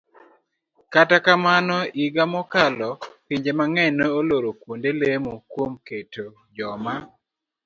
Kata kamano, higa mokalo, pinje mang'eny ne oloro kuonde lemo kuom keto joma